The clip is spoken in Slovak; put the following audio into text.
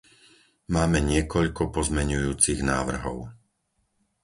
Máme niekoľko pozmeňujúcich návrhov.